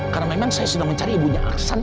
karena memang saya sudah mencari ibunya aksan